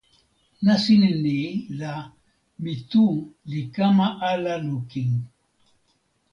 nasin ni la mi tu li kama ala lukin.